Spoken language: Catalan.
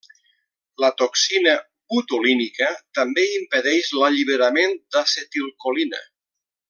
La toxina botulínica també impedeix l'alliberament d'acetilcolina.